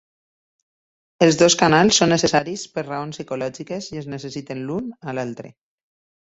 Els dos canals són necessaris per raons psicològiques i es necessiten l'un a l'altre.